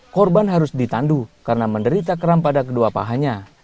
korban harus ditandu karena menderita keram pada kedua pahanya